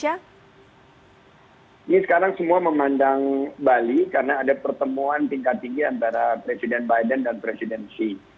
ini sekarang semua memandang bali karena ada pertemuan tingkat tinggi antara presiden biden dan presiden xi